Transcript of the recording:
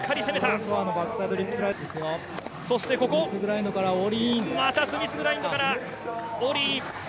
そしてここ、スミスグラインドからオーリーイン。